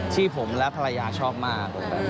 ที่ผมและภรรยาชอบมาก